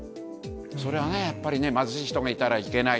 それはね、やっぱりね、貧しい人がいたらいけない。